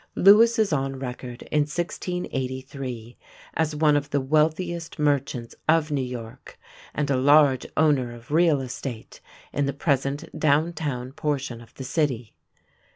Lewis is on record in 1683 as one of the wealthiest merchants of New York and a large owner of real estate in the present downtown portion of the city.